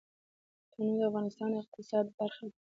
تنوع د افغانستان د اقتصاد برخه ده.